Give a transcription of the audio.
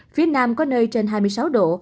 phía nam có nơi trên hai mươi sáu độ